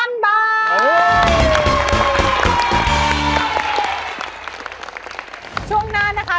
ช่วงนั้นนะคะ